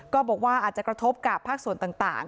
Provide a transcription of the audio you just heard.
ก็บอกว่าอาจจะกระทบกับภาคส่วนต่าง